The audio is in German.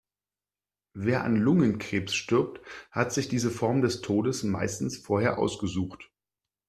Wer an Lungenkrebs stirbt, hat sich diese Form des Todes meistens vorher ausgesucht.